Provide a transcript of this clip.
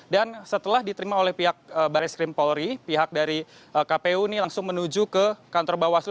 dan setelah diterima oleh pihak baris krim polri pihak dari kpu ini langsung menuju ke kantor bawaslu